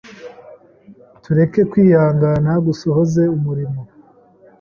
tureke kwihangana gusohoze umurimo